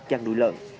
giang nuôi lợn